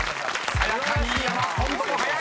［さや香新山今度も早い］